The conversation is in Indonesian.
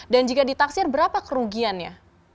dan jika ditaksir berapa kerugiannya